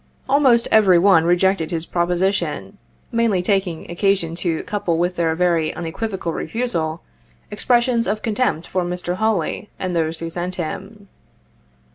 Almost every one rejected his proposition, many taking occasion to couple with their very unequivocal refusal, expressions of contempt for Mr. Hawley and those who sent him.